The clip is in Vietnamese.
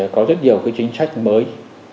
có rất nhiều cái chính sách mới